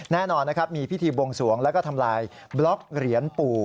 แน่นอนนะครับมีพิธีบวงสวงแล้วก็ทำลายบล็อกเหรียญปู่